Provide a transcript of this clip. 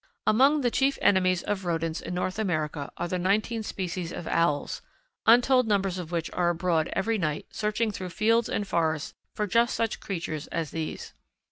_ Among the chief enemies of rodents in North America are the nineteen species of Owls, untold numbers of which are abroad every night searching through fields and forests for just such creatures as these.